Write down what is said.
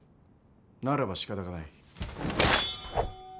ならばしかたがない。